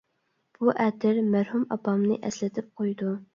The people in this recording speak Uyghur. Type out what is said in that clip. -بۇ ئەتىر مەرھۇم ئاپامنى ئەسلىتىپ قۇيىدۇ.